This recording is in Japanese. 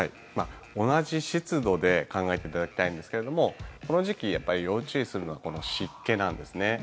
同じ湿度で考えていただきたいんですけどもこの時期、要注意するのはこの湿気なんですね。